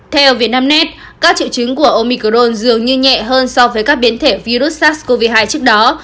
theo vietnamnet các triệu chứng của omicron dường như nhẹ hơn so với các biến thể virus sars cov hai trước đó